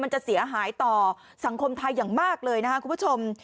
จะเสียหายต่อสังคมไทยอย่างมากเลยนะครับคุณผู้ชม